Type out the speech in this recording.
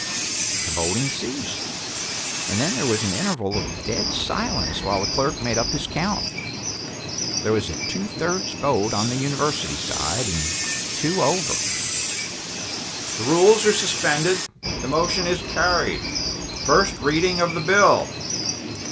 The voting ceased, and then there was an interval of dead silence while the clerk made up his count. There was a two thirds vote on the University side and two over. The Speaker "The rules are suspended, the motion is carried first reading of the bill!"